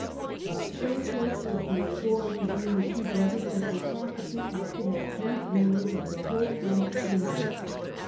But so close was the accord between the two brothers that they practically acted as joint rulers of the whole Frank kingdom.